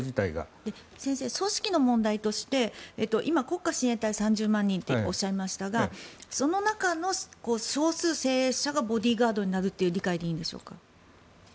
先生、組織の問題として今、国家親衛隊３０万人とおっしゃいましたがその中の少数精鋭者がボディーガードになるという理解でいいんでしょうか？